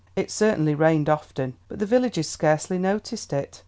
It certainly rained often, but the villagers scarcely noticed it.